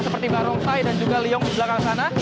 seperti barongsai dan juga leong di belakang sana